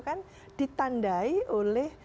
kan ditandai oleh